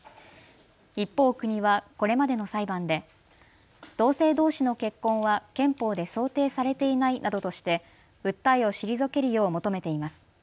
一方、国はこれまでの裁判で同性どうしの結婚は憲法で想定されていないなどとして訴えを退けるよう求めています。